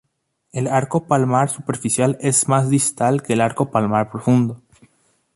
El "arco palmar superficial" es más distal que el arco palmar profundo.